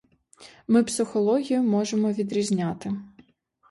Ми психологію можемо відрізняти.